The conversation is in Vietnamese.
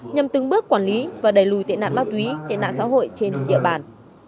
nhằm từng bước quản lý và đẩy lùi tệ nạn ma túy tệ nạn xã hội trên địa bàn